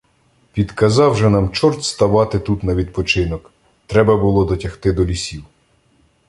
підказав же нам чорт ставати тут на відпочинок! Треба було дотягти до лісів.